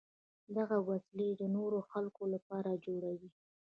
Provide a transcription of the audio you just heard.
دغه وسلې د نورو خلکو لپاره جوړوي.